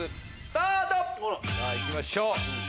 さぁいきましょう